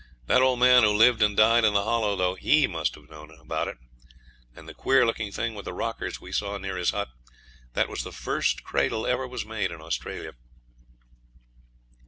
That old man who lived and died in the Hollow, though HE must have known about it; and the queer looking thing with the rockers we saw near his hut, that was the first cradle ever was made in Australia.